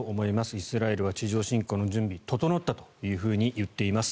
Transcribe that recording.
イスラエルは地上侵攻の準備が整ったと言っています。